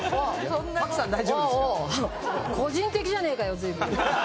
おうおう個人的じゃねえかよ随分。